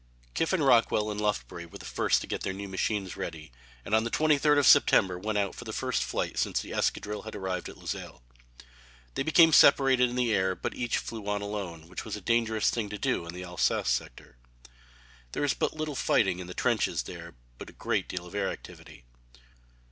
Kiffin Rockwell and Lufbery were the first to get their new machines ready and on the 23rd of September went out for the first flight since the escadrille had arrived at Luxeuil. They became separated in the air but each flew on alone, which was a dangerous thing to do in the Alsace sector. There is but little fighting in the trenches there, but great air activity.